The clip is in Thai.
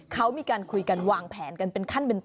เขามีการคุยกันวางแผนกันเป็นขั้นเป็นตอน